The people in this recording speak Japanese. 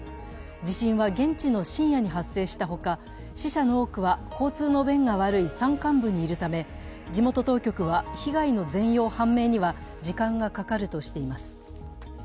地震は現地の深夜に発生したほか、死者の多くは交通の便が悪い山間部にいるため、地元当局は被害の全容判明には時間がかかるとしています。